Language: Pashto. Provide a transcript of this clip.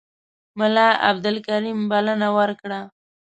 ملا عبدالکریم بلنه ورکړه.